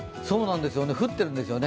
降っているんですよね。